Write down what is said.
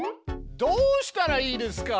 どうしたらいいですか！